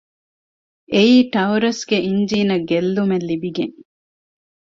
އެއީ ޓައުރަސްގެ އިންޖީނަށް ގެއްލުމެއް ލިބިގެން